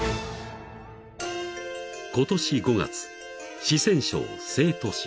［今年５月四川省成都市］